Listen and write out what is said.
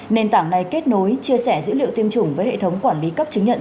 nền tảng này kết nối chia sẻ dữ liệu tiêm chủng với hệ thống quản lý cấp chứng nhận